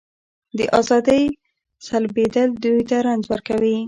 د ازادۍ سلبېدل دوی ته رنځ ورکوي.